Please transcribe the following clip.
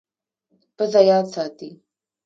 پزه یاد ساتي.